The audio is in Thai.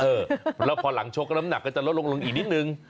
แล้วพอหลังชกน้ำหนักก็จะลดลงอีกนิดนึง